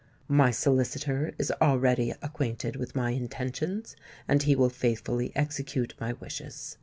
My solicitor is already acquainted with my intentions; and he will faithfully execute my wishes.